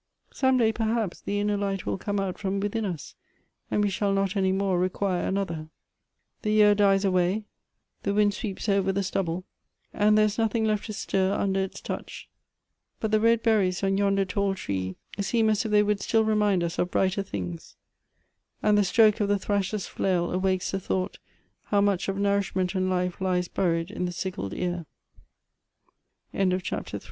Some day, perhaps, the inner light will come out from within us, and we shall not any more require another. " The year dies away, the wind sweeps over the stub ble, and there is nothing left to stir under its touch. But the red berries on yonder tall tree seem as if they would still remind us of brighter things ; and the stroke of the thrasher's flail awakes the thought how much of nourish ment and life lies b